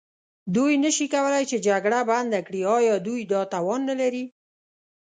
دوی نه شي کولای چې جګړه بنده کړي، ایا دوی دا توان نه لري؟